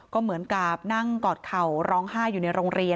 ก็เหมือนกับนั่งกอดเข่าร้องไห้อยู่ในโรงเรียน